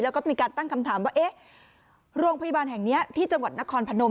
แล้วก็มีการตั้งคำถามว่าเอ๊ะโรงพยาบาลแห่งนี้ที่จังหวัดนครพนม